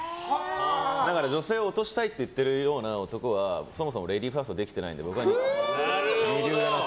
だから、女性をオトしたいって言うような男はそもそもレディーファーストができてないので、僕は２流だと。